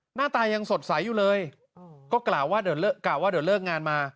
หน้าตายังสดใสอยู่เลยก็กล่าวว่าเดี๋ยวเลิกงานมา